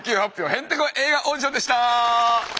「へんてこ映画オーディション」でした！